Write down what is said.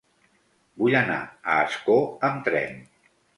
Vull anar a Ascó amb tren.